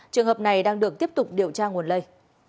trường hợp này đang được tiếp tục điều tra nguồn lây